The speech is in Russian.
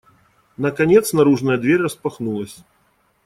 Наконец наружная дверь распахнулась.